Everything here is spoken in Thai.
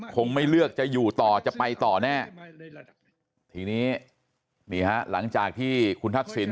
คงไม่เลือกจะอยู่ต่อจะไปต่อแน่ทีนี้นี่ฮะหลังจากที่คุณทักษิณ